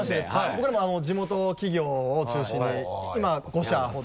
僕らも地元企業を中心に今５社ほど。